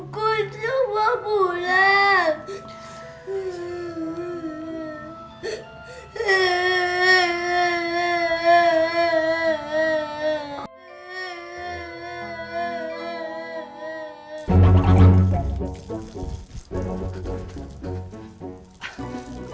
guntur mau pulang